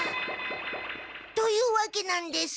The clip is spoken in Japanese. というわけなんです。